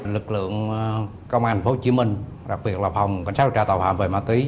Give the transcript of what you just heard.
lực lượng công an thành phố hồ chí minh đặc biệt là phòng cảnh sát điều tra tàu hạm về ma túy